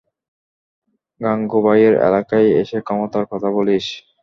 গাঙুবাইয়ের এলাকায় এসে ক্ষমতার কথা বলিস!